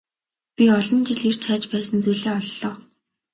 Би олон жил эрж хайж байсан зүйлээ оллоо.